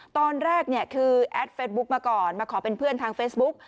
ตอนแรกเนี่ยคือแอดเฟสบุ๊กมาก่อนมาขอเป็นเพื่อนทางเฟซบุ๊ก